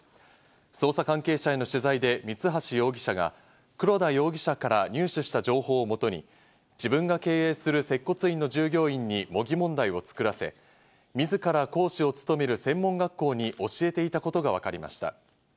捜査関係者への取材で三橋容疑者が黒田容疑者から入手した情報をもとに自分が経営する接骨院の従業員に模擬問題を作らせ、自ら講師を勤める専門学校に教えていたことがわかりました。